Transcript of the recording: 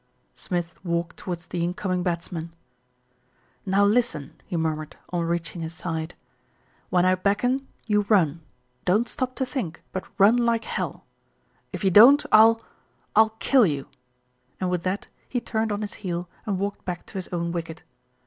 Smith walked towards the incoming batsman. "Now listen!" he murmured, on reaching his side. SMITH BECOMES A POPULAR HERO 213 "When I beckon, you run. Don't stop to think; but run like hell. If you don't I'll I'll kill you," and with that he turned on his heel and walked back to his own wicket.